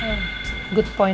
tidak ada yang bisa dipercaya